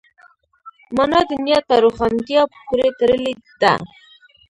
مانا د نیت په روښانتیا پورې تړلې ده.